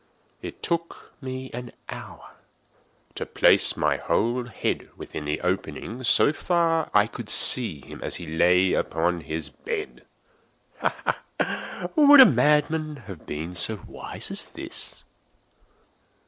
It took me an hour to place my whole head within the opening so far that I could see him as he lay upon his bed. Ha!—would a madman have been so wise as this?